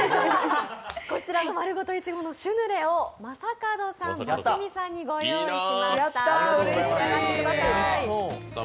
こちらのまるごとイチゴのシュヌレを正門さん、ますみさんにご用意しました。